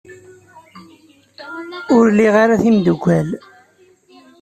Ur liɣ ara timeddukal.